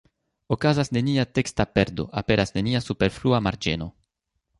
Okazas nenia teksta perdo, aperas nenia superflua marĝeno.